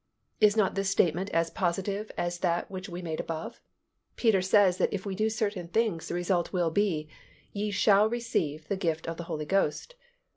Is not this statement as positive as that which we made above? Peter says that if we do certain things, the result will be, "Ye shall receive the gift of the Holy Ghost."